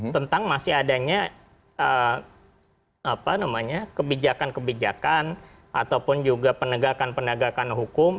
tentang masih adanya kebijakan kebijakan ataupun juga penegakan penegakan hukum